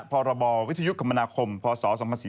พรบวิทยุคมนาคมพศ๒๔๔